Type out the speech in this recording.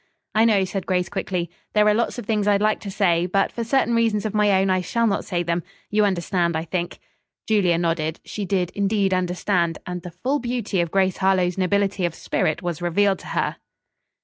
"I know," said Grace quickly. "There are lots of things I'd like to say, but for certain reasons of my own I shall not say them. You understand, I think." Julia nodded. She did, indeed, understand, and the full beauty of Grace Harlowe's nobility of spirit was revealed to her.